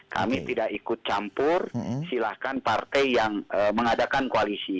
kami tidak ikut campur silahkan partai yang mengadakan koalisi